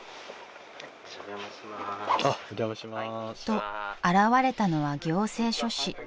［と現れたのは行政書士］